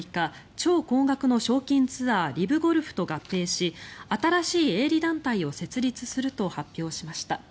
超高額の賞金ツアーＬＩＶゴルフと合併し新しい営利団体を設立すると発表しました。